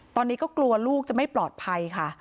ตอนนี้ก็กลัวลูกจะไม่ปลอดภัยค่ะ